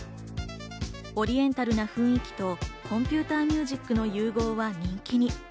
オリエンタルな雰囲気とコンピューターミュージックという融合は人気に。